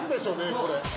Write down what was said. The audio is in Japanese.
これ。